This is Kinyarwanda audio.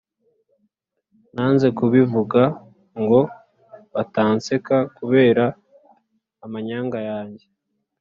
Nanze kubivuga ngo batanseka kubera amanyanga yanjye